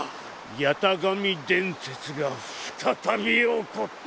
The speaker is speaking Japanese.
八咫神伝説が再び起こった！